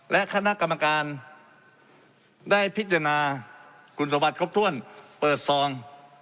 และคณะกรรมการได้พิจารณาคุณสมบัติครบถ้วนเปิดซอง